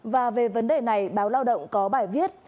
và về vấn đề này báo lao động có bài viết